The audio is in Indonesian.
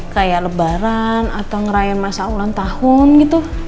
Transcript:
kayak lebaran atau ngeraya masa ulang tahun gitu